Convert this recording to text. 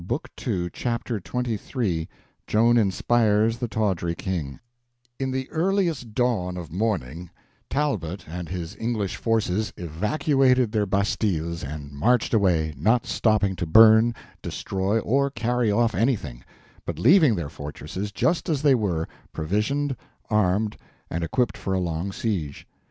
—TRANSLATOR. Chapter 23 Joan Inspires the Tawdry King IN THE earliest dawn of morning, Talbot and his English forces evacuated their bastilles and marched away, not stopping to burn, destroy, or carry off anything, but leaving their fortresses just as they were, provisioned, armed, and equipped for a long siege.